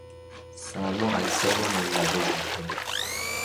سرما اجسام را منقبض میکند.